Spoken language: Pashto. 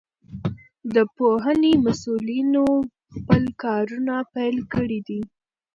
د پوهنې مسئولينو خپل کارونه پيل کړي دي.